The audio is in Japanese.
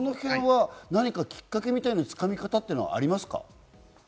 そのへんはきっかけみたいな掴み方はありますか？